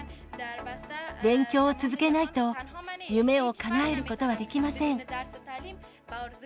勉強を続けないと、夢をかなえることはできません。